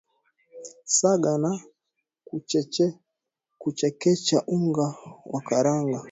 saga na kuchekecha unga wa karanga